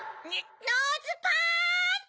・・ノーズパンチ！